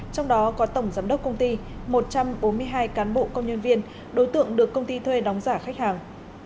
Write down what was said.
trong đó có tổng giám đốc công ty một trăm bốn mươi hai cán bộ công nhân viên đối tượng được công ty thuê đóng giả khách hàng